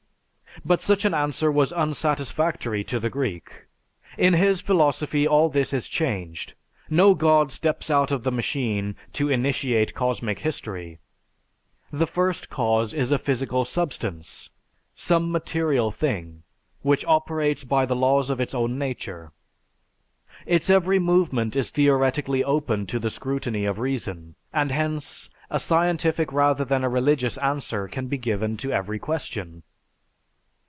But such an answer was unsatisfactory to the Greek. In his philosophy all this is changed. No god steps out of the machine to initiate cosmic history. The First Cause is a physical substance, some material thing, which operates by the laws of its own nature. Its every movement is theoretically open to the scrutiny of reason. And hence, a scientific rather than a religious answer can be given to every question."